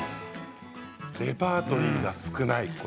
レパートリーが少ない。